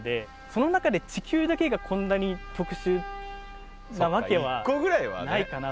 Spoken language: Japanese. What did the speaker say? その中で地球だけがこんなに特殊なわけはないかな。